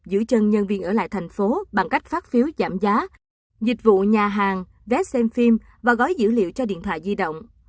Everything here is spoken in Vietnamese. giữ chân nhân viên ở lại thành phố bằng cách phát phiếu giảm giá dịch vụ nhà hàng vé xem phim và gói dữ liệu cho điện thoại di động